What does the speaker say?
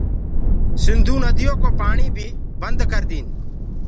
سنڌو نديو ڪو پآڻي بي بند ڪردين